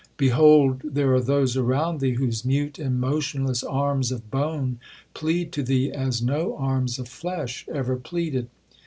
Behold, there are those around thee, whose mute and motionless arms of bone plead to thee as no arms of flesh ever pleaded.